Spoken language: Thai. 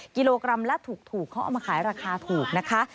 กิโลกรัมละถูกเขาเอามาขายราคาถูกนะคะ